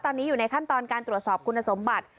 ตอนนี้อยู่ในขั้นตอนการตรวจสอบคุณสมบัติ